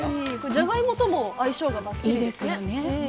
じゃがいもとも相性がばっちりですね。